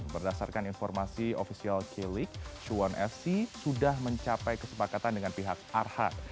berdasarkan informasi ofisial k league suwon fc sudah mencapai kesepakatan dengan pihak arhan